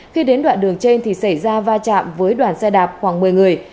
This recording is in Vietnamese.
khi đến đoạn đường trên thì xảy ra va chạm với đoàn xe đạp khoảng một mươi người